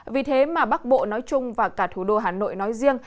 vì thế mà bắc bộ nói chung và cả thủ đô hà nội nói riêng